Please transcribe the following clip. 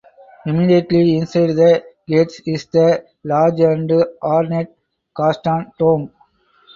Immediately inside the gates is the large and ornate Gaston Tomb.